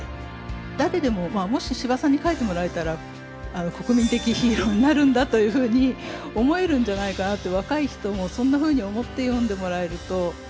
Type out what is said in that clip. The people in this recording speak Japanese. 誰でももし司馬さんに書いてもらえたら国民的ヒーローになるんだというふうに思えるんじゃないかなって若い人もそんなふうに思って読んでもらえると。